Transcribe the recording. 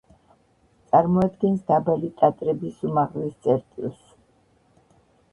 წარმოადგენს დაბალი ტატრების უმაღლეს წერტილს.